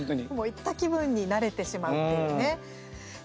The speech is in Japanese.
行った気分になれてしまうっていうね。